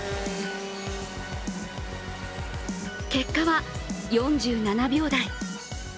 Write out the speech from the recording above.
結果は４７秒台。